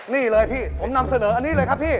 นี่เลยพี่ผมนำเสนออันนี้เลยครับพี่